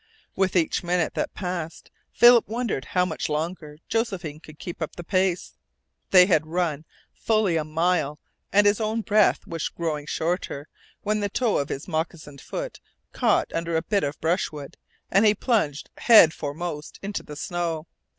With each minute that passed Philip wondered how much longer Josephine could keep up the pace. They had run fully a mile and his own breath was growing shorter when the toe of his moccasined foot caught under a bit of brushwood and he plunged head foremost into the snow.